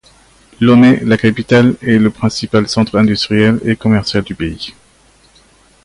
Lomé, la capitale, est le principal centre industriel et commercial du pays.